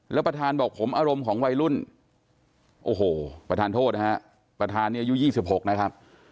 แล้วประธานบอกผมอารมณ์ของวัยรุ่นโอ้โหประธานโทษนะฮะประธานนี้อายุ๒๖นะครับ